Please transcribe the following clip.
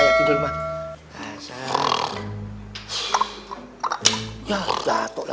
ya jatuh lagi